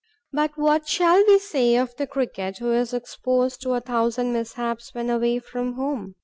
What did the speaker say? But what shall we say of the Cricket, who is exposed to a thousand mishaps when away from home?